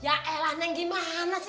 ya elah neng gimana sih